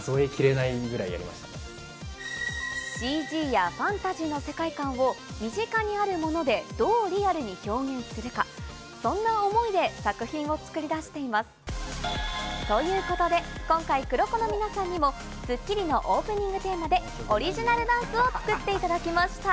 ＣＧやファンタジーの世界感を身近にあるもので、どうリアルに表現するか、そんな思いで作品を作り出しています。ということで今回ＫＵＲＯＫＯの皆さんにも『スッキリ』のオープニングテーマで、オリジナルダンスを作っていただきました。